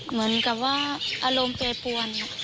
เหมือนกับว่าอารมณ์แปรปวน